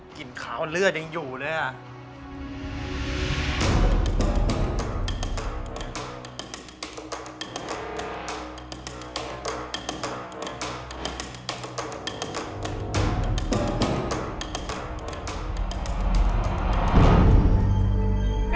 กลิ่นขาวเลือดยังอยู่เลยอ่ะ